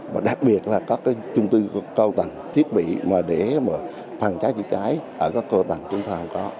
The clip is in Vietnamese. và đặc biệt là các cái trung tư cao tầng thiết bị mà để mà phản trái chữ cháy ở các cao tầng chúng ta cũng có